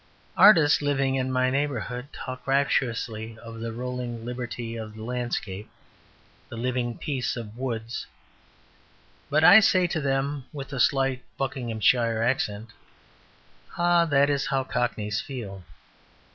Artists living in my neighbourhood talk rapturously of the rolling liberty of the landscape, the living peace of woods. But I say to them (with a slight Buckinghamshire accent), "Ah, that is how Cockneys feel.